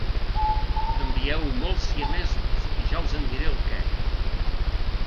Envieu mots siamesos i ja us en diré el què.